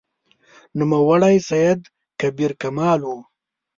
نوموړی سید کبیر کمال و.